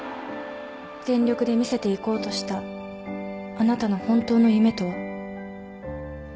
全力で見せていこうとしたあなたの本当の夢とは？